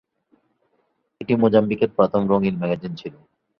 এটি মোজাম্বিকের প্রথম রঙিন ম্যাগাজিন ছিল।